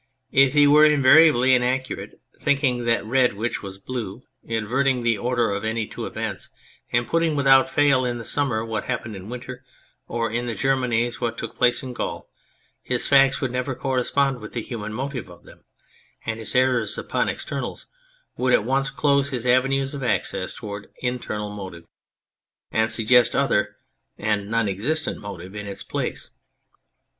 If he were invariably inaccurate, thinking that red which was blue, inverting the order of any two events, and putting without fail in the summer what happened in winter, or in the Germanics what took place in Gaul, his facts would never correspond with the human motive of them, and his errors upon externals would at once close his avenues of access towards internal motive and suggest other and non existent motive in its place.